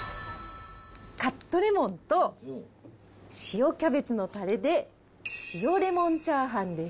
カットレモンと塩キャベツのたれで、塩レモンチャーハンです